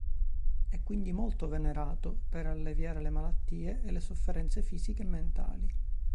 È quindi molto venerato per alleviare le malattie e le sofferenze fisiche e mentali.